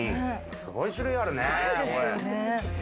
すごい種類があるよね。